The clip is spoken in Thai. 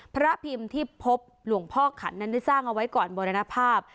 พระพิมพ์ที่พบหลวงพ่อขันนั้นได้สร้างเอาไว้ก่อนมรณภาพ